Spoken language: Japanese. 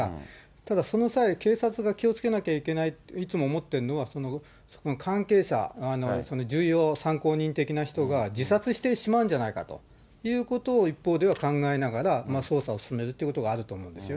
ただその際、警察が気をつけなきゃいけないといつも思ってるのは、その関係者、その重要参考人的な人が自殺してしまうんじゃないかということを一方では考えながら捜査を進めるっていうことがあると思うんですよ。